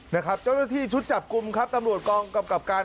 นะครับเจ้าหน้าที่ชุดจับกลุ่มครับตำรวจกองกำกับการ